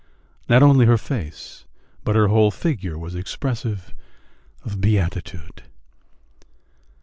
Not only her face but her whole figure was expressive of beatitude....